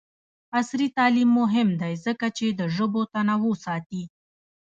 عصري تعلیم مهم دی ځکه چې د ژبو تنوع ساتي.